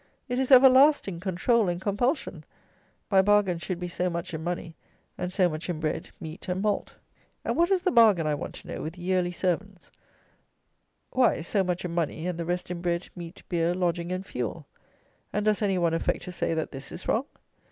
It is everlasting control and compulsion. My bargain should be so much in money, and so much in bread, meat, and malt. And what is the bargain, I want to know, with yearly servants? Why, so much in money and the rest in bread, meat, beer, lodging and fuel. And does any one affect to say that this is wrong?